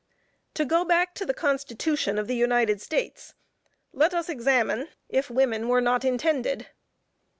To go back to the Constitution of the United States, let us examine if women were not intended.